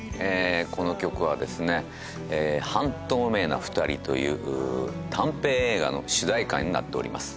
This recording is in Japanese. この曲はですね「半透明なふたり」という短編映画の主題歌になっております